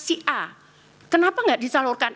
si a kenapa nggak disalurkan